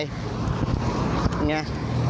อย่างนี้